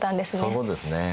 そうですね。